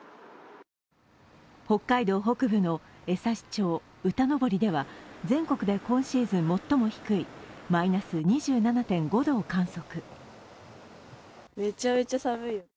北海道北部の枝幸町歌登では全国で今シーズン最も低いマイナス２７．５度を観測。